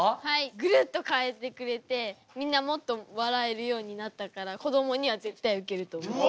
グルッと変えてくれてみんなもっと笑えるようになったからこどもには絶対ウケると思います。